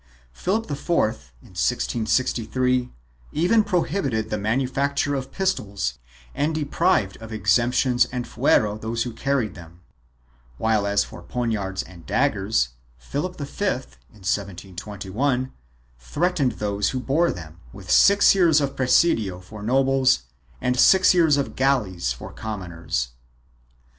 Philip IV, in 1663, even prohibited the manufacture of pistols and deprived of exemptions and fuero those who carried them, while as for poniards and daggers, Philip V, in 1721, threatened those who bore them with six years of presidio for nobles and six years of galleys for commoners.